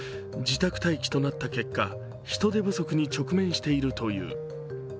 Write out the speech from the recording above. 自宅待機となった結果、人手不足に直面しているという。